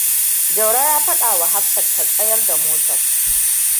Jauro ya faɗawa Hafsat ta tsayar da motar.